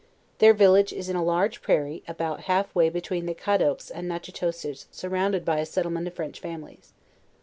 Their village is in a large prairie a bcut half way between the Caddoques and Natch itolches sur rounded by a settlement of French families.